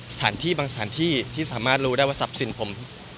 สถานที่บางสถานที่ที่สามารถรู้ได้ว่าทรัพย์สินผม